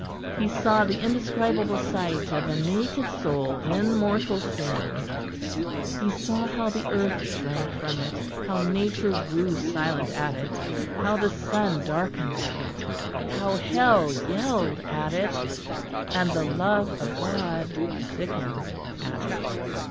He saw the indescribable sight of a naked soul in mortal sin; he saw how the earth shrank from it, how nature grew silent at it, how the sun darkened at it, how hell yelled at it, and the Love of God sickened at it.